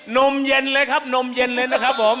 นมเย็นเลยครับนมเย็นเลยนะครับผม